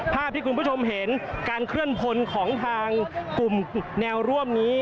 ภาพที่คุณผู้ชมเห็นการเคลื่อนพลของทางกลุ่มแนวร่วมนี้